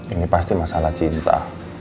ini pasti masalah cinta